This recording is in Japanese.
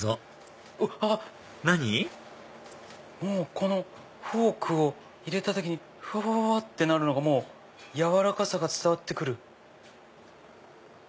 このフォークを入れた時にふわわわ！ってなるのが軟らかさが伝わって来る！